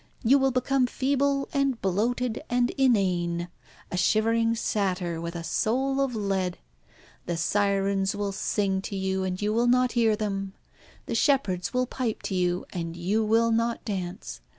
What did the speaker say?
You will become feeble and bloated and inane a shivering satyr with a soul of lead. The sirens will sing to you, and you will not hear them. The shepherds will pipe to you, and you will not dance.